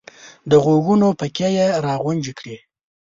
د غوږونو پکې یې را غونجې کړې !